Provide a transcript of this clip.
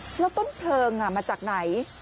แล้วต้นเพลิงมาจากไหน